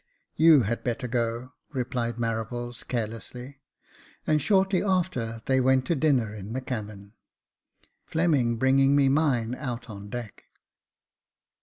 " You had better go," replied Marables, carelessly ; and shortly after they went to dinner in the cabin, Fleming bringing me mine out on deck.